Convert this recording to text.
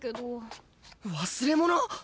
忘れ物！？